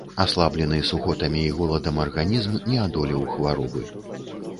Аслаблены сухотамі і голадам арганізм не адолеў хваробы.